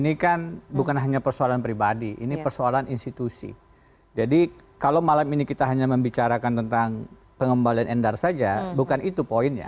ini kan bukan hanya persoalan pribadi ini persoalan institusi jadi kalau malam ini kita hanya membicarakan tentang pengembalian endar saja bukan itu poinnya